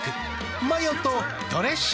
マヨとドレッシングで。